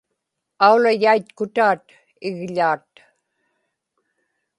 aulayaitkutaat igḷaat